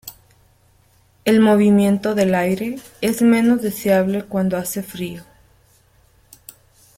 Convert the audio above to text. El movimiento del aire es menos deseable cuando hace frío.